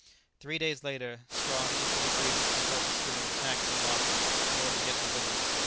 Three days later strong easterly breezes compelled the schooner to tack to larboard in order to get to windward.